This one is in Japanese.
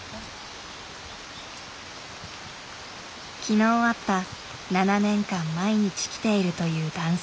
昨日会った７年間毎日来ているという男性。